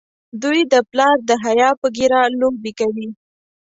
دوی د پلار د حیا په ږیره لوبې کوي.